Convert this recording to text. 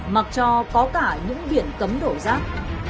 mặc cho có cả những biển cấm đổ rác